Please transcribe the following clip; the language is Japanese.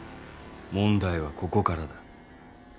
問題はここからだ。